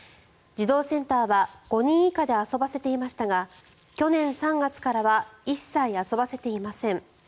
児童センターは５人以下で遊ばせていましたが去年３月からは一切遊ばせていません。